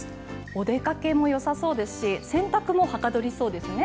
お出かけもよさそうですし洗濯もはかどりそうですね。